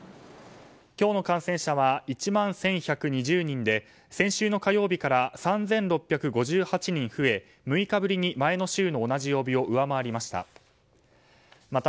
今日の感染者は１万１１２０人で先週の火曜日から３６５８人増え６日ぶりに前の週の同じ曜日を上回りました。